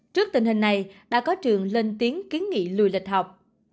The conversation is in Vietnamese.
trước tình hình này đã có trường lên tiếng kiến nghị lùi lịch học